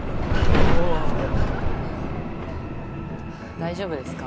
大丈夫ですか？